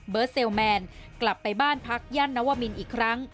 เซลแมนกลับไปบ้านพักย่านนวมินอีกครั้ง